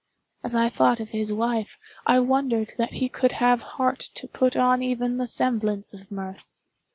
—as I thought of his wife, I wondered that he could have heart to put on even the semblance of mirth.